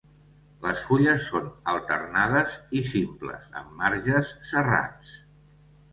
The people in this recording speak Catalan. Les fulles són alternades i simples amb marges serrats.